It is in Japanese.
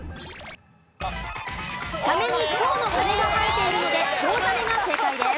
サメにチョウの羽が生えているのでチョウザメが正解です。